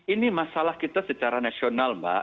ini masalah kita secara nasional mbak